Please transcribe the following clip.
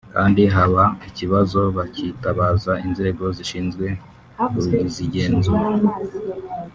kandi haba ikibazo bakitabaza inzego zishinzwe kuzigenzura